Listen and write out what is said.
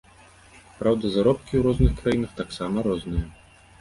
Праўда, заробкі у розных краінах таксама розныя.